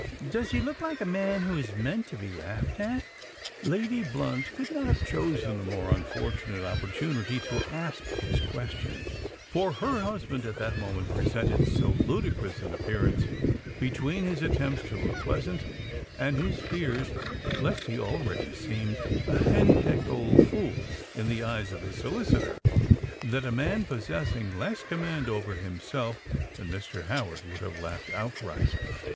Does he look like a man who is meant to be laughed at?" Lady Blunt could not have chosen a more unfortunate opportunity to ask this question; for her husband at that moment presented so ludicrous an appearance, between his attempts to look pleasant and his fears lest he already seemed a henpecked old fool in the eyes of his solicitor, that a man possessing less command over himself than Mr. Howard would have laughed outright.